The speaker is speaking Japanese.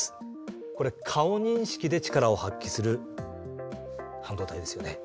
これ顔認識で力を発揮する半導体ですよね。